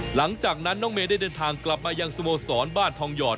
หลังจากนั้นน้องเมย์ได้เดินทางกลับมายังสโมสรบ้านทองหยอด